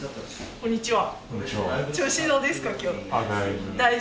こんにちは。